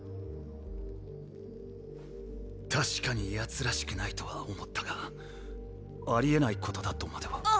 確かに奴らしくないとは思ったがありえないことだとまでは。